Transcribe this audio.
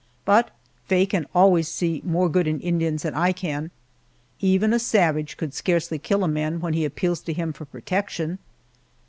But Faye can always see more good in Indians than I can. Even a savage could scarcely kill a man when he appeals to him for protection!